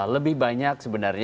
lebih banyak sebenarnya